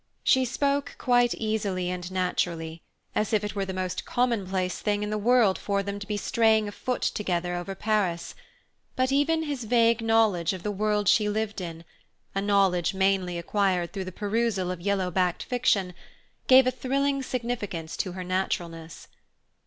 She spoke quite easily and naturally, as if it were the most commonplace thing in the world for them to be straying afoot together over Paris; but even his vague knowledge of the world she lived in a knowledge mainly acquired through the perusal of yellow backed fiction gave a thrilling significance to her naturalness.